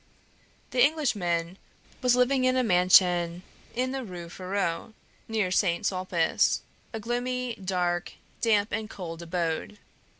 The Englishman was living in a mansion in the Rue Férou, near Saint Sulpice a gloomy, dark, damp, and cold abode.